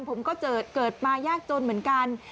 ผมก็เกิดมายากจนเหมือนกัน